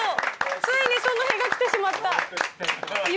ついにその日がきてしまった！